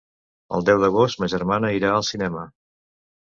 El deu d'agost ma germana irà al cinema.